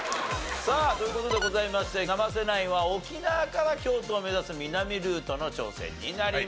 さあという事でございまして生瀬ナインは沖縄から京都を目指す南ルートの挑戦になります。